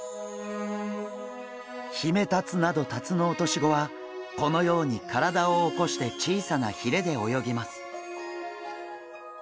ヒメタツなどタツノオトシゴはこのように体を起こして小さなひれで泳ぎます。